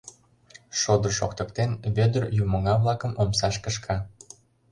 Шодыр шоктыктен, Вӧдыр юмоҥа-влакым омсаш кышка.